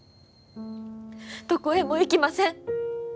どこへも行きません。